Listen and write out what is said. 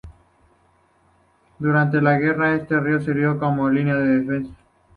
Durante la guerra, este río sirvió como línea de defensa.